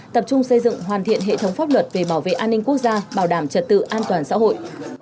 tập trung xây dựng hoàn thiện hệ thống pháp luật về bảo vệ an ninh quốc gia bảo đảm trật tự an toàn xã hội